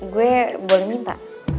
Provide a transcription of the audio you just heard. gue boleh minta